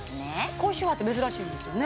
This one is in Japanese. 高周波って珍しいんですよね